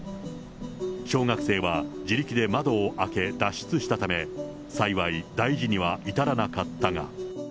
小学生は自力で窓を開け、脱出したため、幸い大事には至らなかったが。